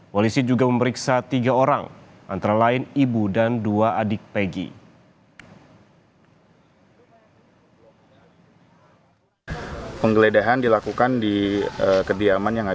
polisi juga memeriksa tiga orang antara lain ibu dan dua adik peggy